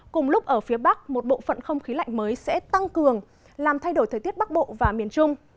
cùng lúc ở phía bắc một bộ phận không khí lạnh mới sẽ tăng cường làm thay đổi thời tiết bắc bộ và miền trung